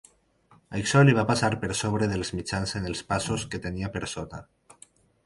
Això li va passar per sobre dels mitjans en els passos que tenia per sota.